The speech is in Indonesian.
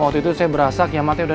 waktu itu saya berasa kiamatnya udah